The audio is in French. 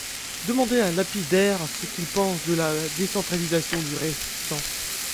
Demandez à un lapidaire ce qu'il pense de la décentralisation du Régent.